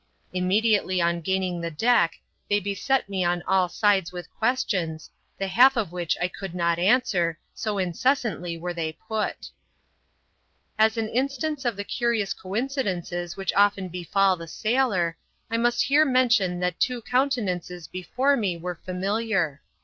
Immediately on gaining the deck, they beset me on all sides with questions, the half of which I could not answer, so incessantly were they put. As an instance of the curious coincidences which often befall the sailor, I must here mention, that two countenances before me were familiar.